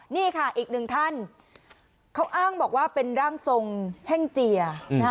นี่ค่ะอีกหนึ่งท่านเขาอ้างบอกว่าเป็นร่างทรงแห้งเจีย